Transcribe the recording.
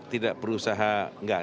tidak berusaha enggak